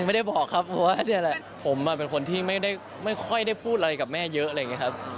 ไม่ได้บอกครับเพราะว่าผมเป็นคนที่ไม่ค่อยได้พูดอะไรกับแม่เยอะ